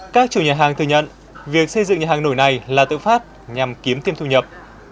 các chủ nhà hàng thừa nhận việc xây dựng nhà hàng nổi này là tự phát nhằm kiếm thêm thu nhập